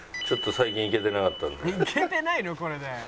ちょっと最近行けてなかったんで。